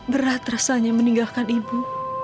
berat rasanya meninggalkan ibu